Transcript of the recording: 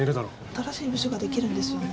新しい部署が出来るんですよね。